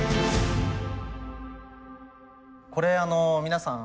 これ皆さん